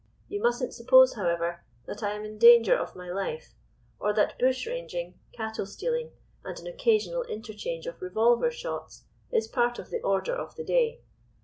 You mustn't suppose, however, that I am in danger of my life, or that bushranging, cattle stealing, and an occasional interchange of revolver shots, is part of the order of the day.